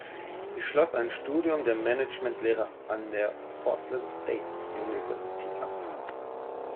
Sie schloss ein Studium der Managementlehre an der Portland State University ab.